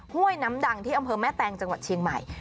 ห้วยน้ำดังที่อำเภอแม่แตงจังหวัดเชียงใหม่